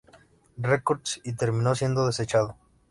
Records y terminó siendo desechado.